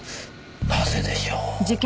なぜでしょう？